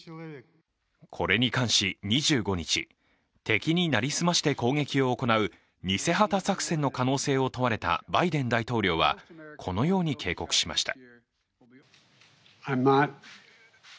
これに関し２５日、敵に成り済まして攻撃を行う偽旗作戦の可能性を問われたバイデン大統領は、このように警告しました。